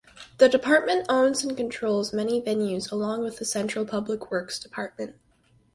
The department owns and controls many venues along with the Central Public Works Department.